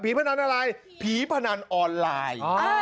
พนันอะไรผีพนันออนไลน์